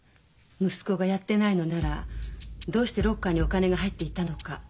息子がやってないのならどうしてロッカーにお金が入っていたのか。